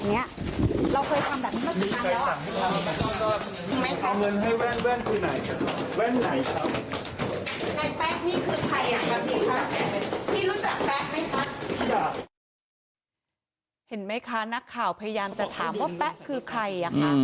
เห็นไหมคะนักข่าวพยายามจะถามว่าแป๊ะคือใคร